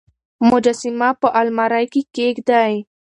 مجسمه په المارۍ کې کېږدئ.